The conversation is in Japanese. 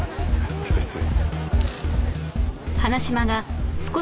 ちょっと失礼。